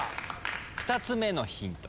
２つ目のヒント